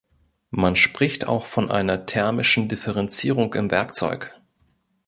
Man spricht auch von einer „thermischen Differenzierung“ im Werkzeug.